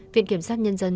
viện kiểm sát nhân dân